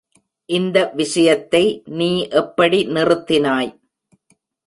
இந்த விஷயத்தை நீ எப்படி நிறுத்தினாய்?